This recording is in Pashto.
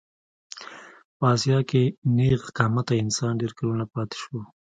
په اسیا کې نېغ قامته انسان ډېر کلونه پاتې شو.